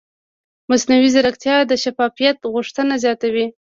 مصنوعي ځیرکتیا د شفافیت غوښتنه زیاتوي.